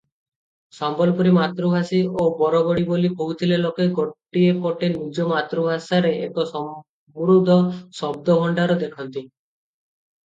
ସମ୍ବଲପୁରୀ ମାତୃଭାଷୀ ଓ ବରଗଡ଼ୀ ବୋଲି କହୁଥିବା ଲୋକେ ଗୋଟିଏ ପଟେ ନିଜ ମାତୃଭାଷାରେ ଏକ ସମୃଦ୍ଧ ଶବ୍ଦଭଣ୍ଡାର ଦେଖନ୍ତି ।